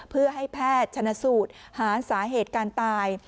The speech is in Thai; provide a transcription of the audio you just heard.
เพื่อให้แพทย์ชนะสูตรหาสาเหตุการตาย